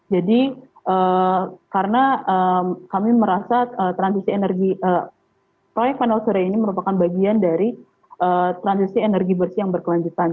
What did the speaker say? jadi karena kami merasa transisi energi proyek panel surya ini merupakan bagian dari transisi energi bersih yang berkelanjutan